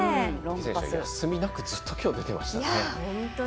休みなくずっと出てましたね。